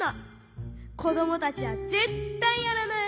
こどもたちはぜったいやらない。